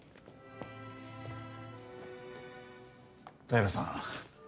平良さん